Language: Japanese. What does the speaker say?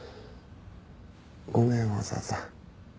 ごめんわざわざ。